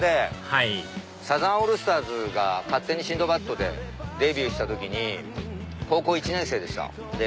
はいサザンオールスターズが『勝手にシンドバッド』でデビューした時に高校１年生でした。